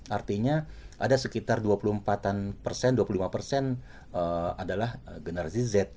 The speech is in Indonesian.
artinya ada sekitar dua puluh empat an persen dua puluh lima persen adalah generasi z